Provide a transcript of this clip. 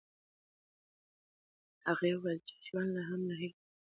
هغې وویل چې ژوند لا هم له هیلو ډک دی.